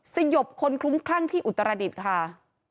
สยบคนคลุ้มคลั่งที่อุตรดิษฐ์ค่ะ